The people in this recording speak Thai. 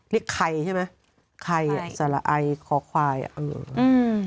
นี่ไข่ใช่ไหมไข่สาหร่ายคอควายอืมอืม